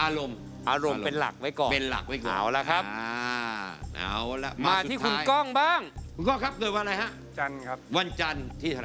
อารมณ์เป็นหลักไว้ก่อน